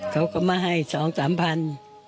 เขาก็มาให้สองสามพัน